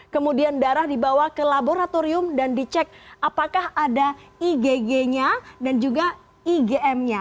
kemudian darah dibawa ke laboratorium dan dicek apakah ada igg nya dan juga igm nya